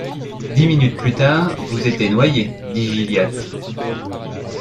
Dix minutes plus tard, vous étiez noyé, dit Gilliatt.